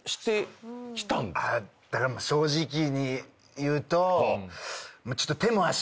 だから正直に言うと。